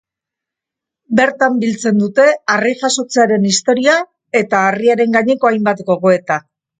Bertan biltzen dute harri jasotzearen historia eta harriaren gaineko hainbat gogoeta.